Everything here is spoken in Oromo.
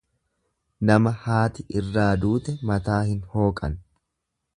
Nama haati irraa duute mataa hin hooqan.